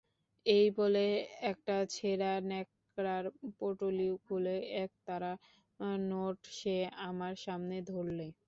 এই বলে একটা ছেঁড়া ন্যাকড়ার পুঁটুলি খুলে একতাড়া নোট সে আমার সামনে ধরলে।